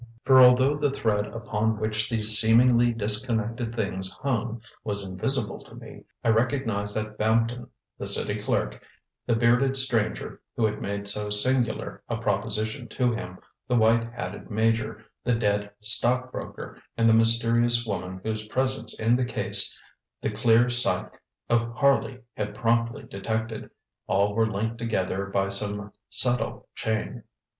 For although the thread upon which these seemingly disconnected things hung was invisible to me, I recognized that Bampton, the city clerk, the bearded stranger who had made so singular a proposition to him, the white hatted major, the dead stockbroker, and the mysterious woman whose presence in the case the clear sight of Harley had promptly detected, all were linked together by some subtle chain.